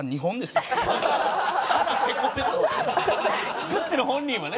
作ってる本人はね。